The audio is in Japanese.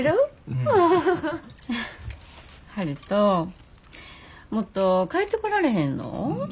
悠人もっと帰ってこられへんの？